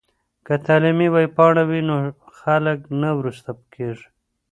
که تعلیمي ویبپاڼه وي نو خلګ نه وروسته کیږي.